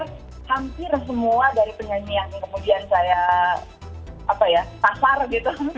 bersyukur hampir semua dari penyanyi yang kemudian saya apa ya tasar gitu